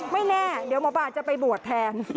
ไม่แน่เดี๋ยวหมอปลาจะไปบวชแทน